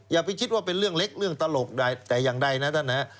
อย่าไปคิดว่าเป็นเรื่องเล็กเรื่องตลกแต่ยังได้นะครับ